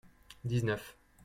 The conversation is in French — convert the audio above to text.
dix-neuf.